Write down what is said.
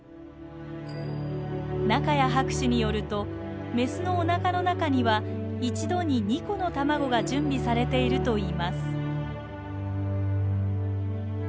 仲谷博士によるとメスのおなかの中には一度に２個の卵が準備されているといいます。